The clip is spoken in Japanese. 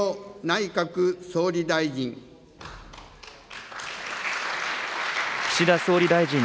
内閣総理大臣。